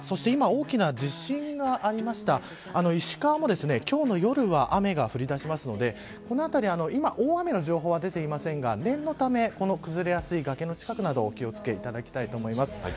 今、大きな地震がありました石川も今日の夜は雨が降り出しますので今、大雨の情報は出ていませんが念のため崩れやすい崖の近くなどお気を付けいただきたいと思います。